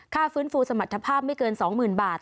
ฟื้นฟูสมรรถภาพไม่เกิน๒๐๐๐บาท